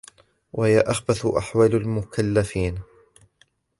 وَهِيَ أَخْبَثُ أَحْوَالِ الْمُكَلَّفِينَ